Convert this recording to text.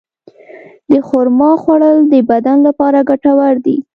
د خرما خوړل د بدن لپاره ګټور دي.